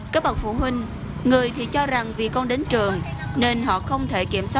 các bậc phụ huynh người thì cho rằng vì con đến trường nên họ không thể kiểm soát